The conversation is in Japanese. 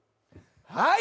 はい！